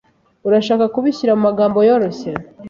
Urashaka kubishyira mumagambo yoroshye?